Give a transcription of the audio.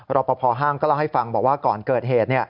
รอปภห้างก็เล่าให้ฟังบอกว่าก่อนเกิดเหตุ